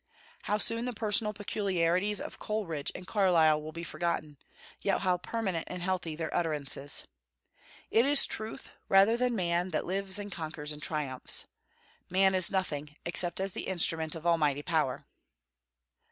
How soon the personal peculiarities of Coleridge and Carlyle will be forgotten, yet how permanent and healthy their utterances! It is truth, rather than man, that lives and conquers and triumphs. Man is nothing, except as the instrument of almighty power.